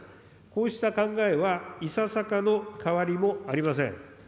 こうした考えはいささかの変わりもありません。